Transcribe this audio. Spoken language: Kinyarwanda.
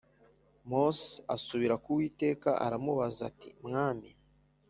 Mose asubira ku Uwiteka aramubaza ati Mwami